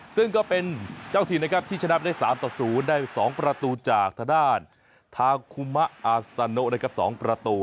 ซึ่งก็เป็นเจ้าทีมที่ชนะไปได้๓ต่อ๐ได้๒ประตูจากทะด้านทากุมะอาซาโน๒ประตู